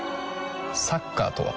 サッカーとは？